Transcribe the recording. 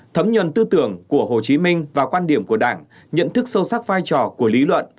thấm nhuận tư tưởng của hồ chí minh và quan điểm của đảng nhận thức sâu sắc vai trò của lý luận